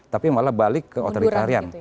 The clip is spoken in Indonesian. tapi malah balik ke otoritarian